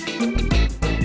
terima kasih bang